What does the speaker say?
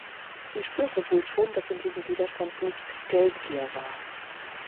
Sie spürte wohl schon, dass in diesem Widerstand nicht Geldgier war.